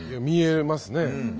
見えますね。